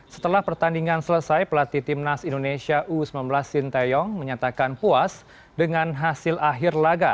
setelah pertandingan selesai pelatih timnas indonesia u sembilan belas sinteyong menyatakan puas dengan hasil akhir laga